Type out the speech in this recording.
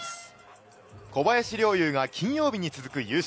小林陵侑が金曜日に続く優勝。